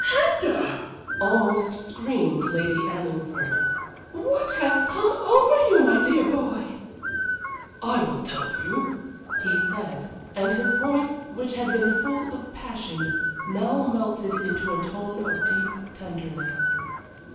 "Hector!" almost screamed Lady Anningford. "What has come over you, my dear boy?" "I will tell you," he said; and his voice, which had been full of passion, now melted into a tone of deep tenderness.